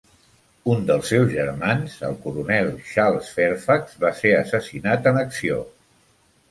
Un dels seus germans, el coronel Charles Fairfax, va ser assassinat en acció.